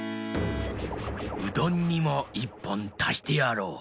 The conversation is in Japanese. うどんにも１ぽんたしてやろう。